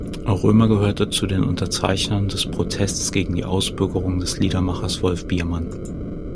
Römer gehörte zu den Unterzeichnern des Protestes gegen die Ausbürgerung des Liedermachers Wolf Biermann.